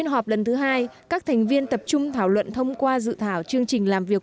họp lần thứ hai các thành viên tập trung thảo luận thông qua dự thảo chương trình làm việc